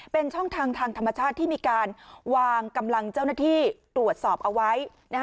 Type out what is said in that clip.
เป็นช่องทางทางธรรมชาติที่มีการวางกำลังเจ้าหน้าที่ตรวจสอบเอาไว้